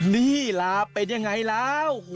นี่ล่ะเป็นยังไงแล้ว